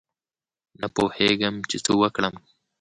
نه پوهېدم چې څه وکړم.